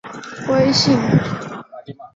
赐郑璩素六十匹。